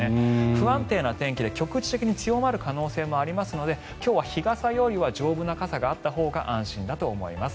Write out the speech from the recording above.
不安定な天気で局地的に強まる可能性もありますので今日は日傘よりは丈夫な傘があったほうが安心だと思います。